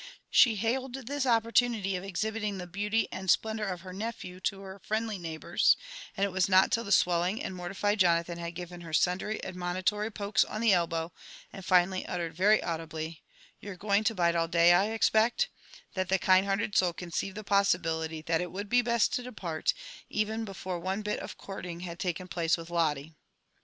She hailed this opportunity of exhibiting the beauty and splendour of her nephew to her friendly neighbours ; and it was not till the swelling and mortified Jonathan had given her sundry admonitory pokes on the elbow, and finally uttered very audibly, ''You are going to bide all day, I expect," that the kind * hearted soul conceived the possibility that it would be best to depart, even before one bit of courting had taken place with Lotte.